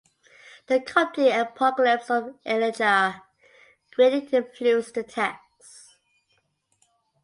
The Coptic "Apocalypse of Elijah" greatly influenced the text.